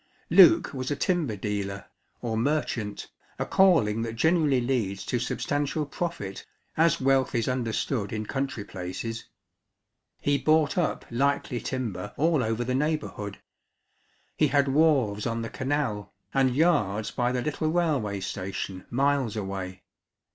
Luke was a timber dealer, or merchant, a calling that generally leads to substantial profit as wealth is understood in country places. He bought up likely timber all over the neighbourhood: he had wharves on the canal, and yards by the little railway station miles away.